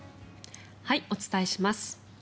お伝えします。